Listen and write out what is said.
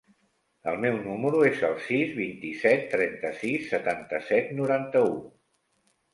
El meu número es el sis, vint-i-set, trenta-sis, setanta-set, noranta-u.